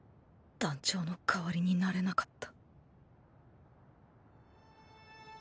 団長の代わりになれなかった。